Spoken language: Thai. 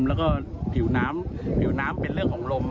แล้วก็ผิวน้ำผิวน้ำเป็นเรื่องของลม